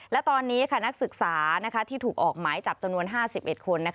และตอนนี้นักศึกษาที่ถูกออกหมายจับจำนวน๕๑คน